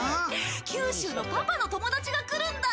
九州のパパの友達が来るんだ。